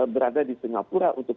berada di singapura untuk